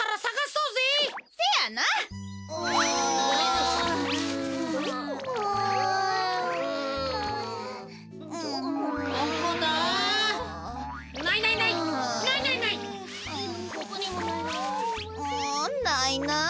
うんないな。